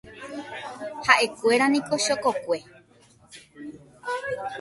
Ha'ekuéraniko chokokue.